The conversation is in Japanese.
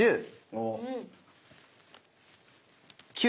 ９。